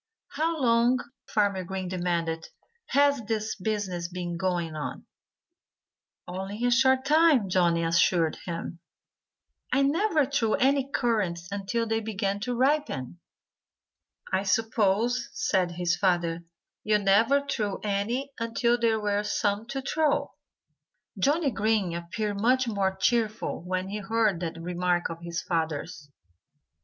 "How long," Farmer Green demanded, "has this business been going on?" "Only a short time!" Johnnie assured him. "I never threw any currants until they began to ripen." [Illustration: Twinkleheels Tells Spot About Kicking. (Page 34)] "I suppose," said his father, "you never threw any until there were some to throw." Johnnie Green appeared much more cheerful when he heard that remark of his father's.